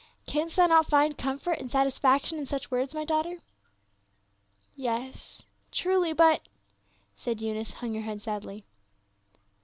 " Canst thou not find comfort and satisfaction in such words, my daughter?" " Yes, truly, but —" and Eunice hung her head sadly.